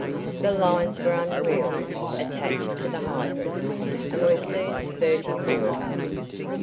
The lines were unreeled, attached to the hydrants, and were soon spurting water.